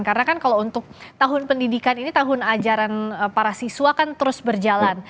karena kan kalau untuk tahun pendidikan ini tahun ajaran para siswa kan terus berjalan